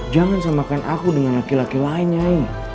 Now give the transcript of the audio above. jangan semakan aku dengan laki laki lain nyai